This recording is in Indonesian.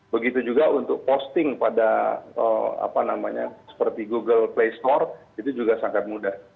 begitu juga untuk posting pada apa namanya seperti google play store itu juga sangat mudah